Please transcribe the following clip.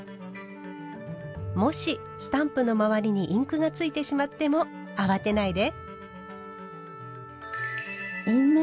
もしスタンプの周りにインクがついてしまっても慌てないで。